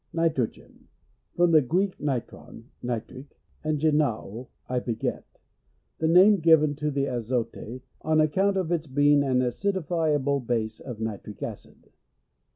Nitrogen. — From the Greek, nitron, nitre, and gennao, I beget. The name given to azote on account of its being tho acidifiuble base of nitric acid.